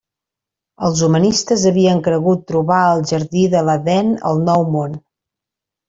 Els humanistes havien cregut trobar el jardí de l'Edèn al Nou Món.